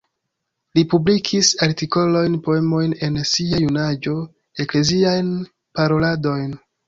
Li publikis artikolojn, poemojn en sia junaĝo, ekleziajn paroladojn.